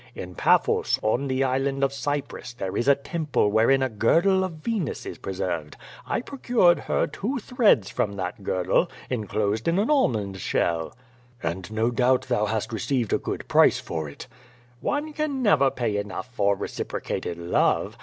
In Faphos, on the Island of Cyprus, there is a temple wherein a girdle of Venus is preserved. T procured her two threads from that girdle, enclosed in an almond shell." "And no doubt thou hast received a good price for it?" v "One can never pay enough for reciprocated love.